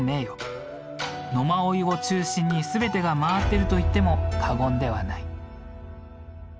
野馬追を中心に全てが回っていると言っても過言ではない。